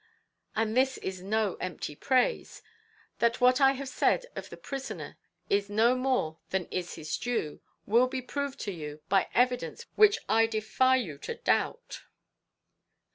And this is no empty praise. That what I have said of the prisoner is no more than is his due, will be proved to you by evidence which I defy you to doubt.